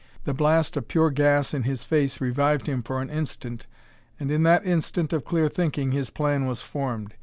The blast of pure gas in his face revived him for an instant, and in that instant of clear thinking his plan was formed.